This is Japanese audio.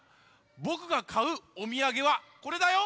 ぼくがかうおみやげはこれだよ。